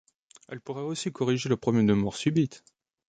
Elle pourrait aussi corriger le problème de mort subite.